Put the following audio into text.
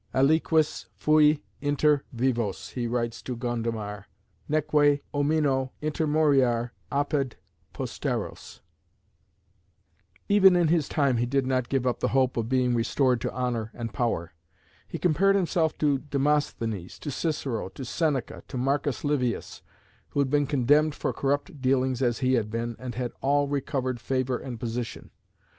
"Aliquis fui inter vivos," he writes to Gondomar, "neque omnino intermoriar apud posteros." Even in his time he did not give up the hope of being restored to honour and power. He compared himself to Demosthenes, to Cicero, to Seneca, to Marcus Livius, who had been condemned for corrupt dealings as he had been, and had all recovered favour and position.